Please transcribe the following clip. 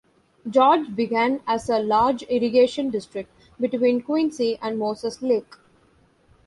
George began as a large irrigation district between Quincy and Moses Lake.